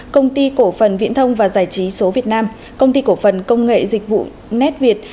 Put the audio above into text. công ty cổ phần viễn thông và giải trí số việt nam công ty cổ phần công nghệ dịch vụ netviet